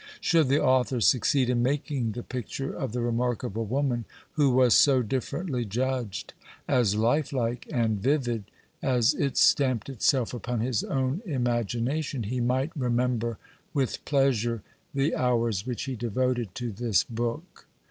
Should the author succeed in making the picture of the remarkable woman, who was so differently judged, as "lifelike" and vivid as it stamped itself upon his own imagination, he might remember with pleasure the hours which he devoted to this book.